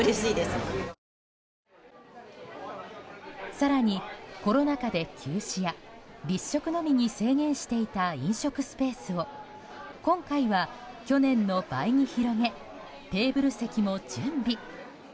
更に、コロナ禍で休止や立食のみに制限していた飲食スペースを今回は去年の倍に広げテーブル席も準備。